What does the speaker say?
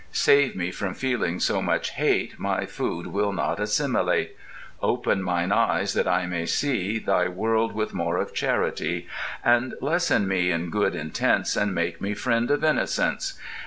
Save me from feeling so much hate My food will not assimilate; Open mine eyes that I may see Thy world with more of charity, And lesson me in good intents And make me friend of innocence